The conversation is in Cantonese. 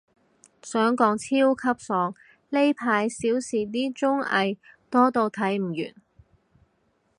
想講，超級爽，呢排少時啲綜藝，多到睇唔完